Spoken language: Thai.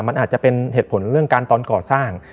มันอาจจะเป็นเหตุผลเรื่องการตอนก่อสร้าง